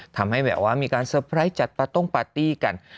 ทำให้แบบว่ามีการเตอร์ไพรส์จัดปาต้งปาร์ตี้กัน